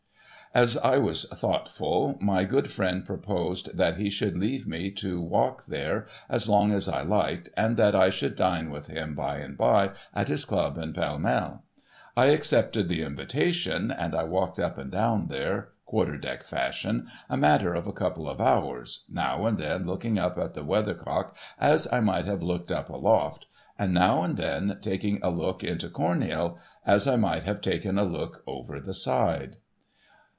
As I was thoughtful, my good friend proposed that he should leave me to walk there as long as I liked, and that I should dine with him by and by at his club in Pall Mall. I accepted the invita tion and I walked up and down there, quarter deck fashion, a matter of a couple of hours ; now and then looking up at the weathercock as I might have looked up aloft ; and now and then taking a look into Cornhill, as I might have taken a look over the side.